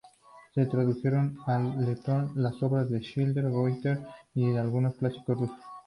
Se tradujeron al letón las obras de Schiller, Goethe y algunos clásicos rusos.